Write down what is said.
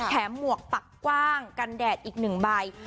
แถมหมวกปากกว้างกันแดดอีกหนึ่งใบ